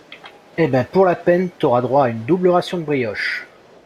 Eh ben pour la peine t'auras droit à une double ration de brioche.